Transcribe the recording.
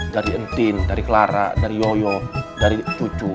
dari entin dari clara dari yoyo dari tujuh